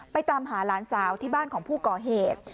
ตามหาหลานสาวที่บ้านของผู้ก่อเหตุ